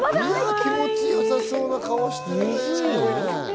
気持ちよさそうな顔してるね。